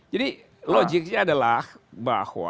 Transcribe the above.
jadi logiknya adalah bahwa